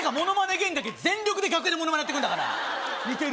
芸人だけ全力で楽屋でモノマネやってくるんだから「似てる？」